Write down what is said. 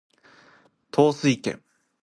統帥権